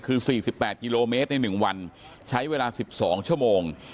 คือ๔๘กิโลเมตรใน๑วันใช้เวลา๑๒ชั่วโมง